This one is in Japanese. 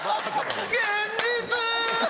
現実！